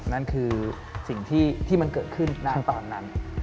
นั่นคือสิ่งที่มันเกิดขึ้นณตอนนั้น